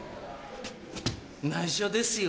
内緒ですよ？